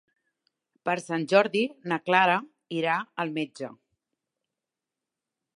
Per Sant Jordi na Clara irà al metge.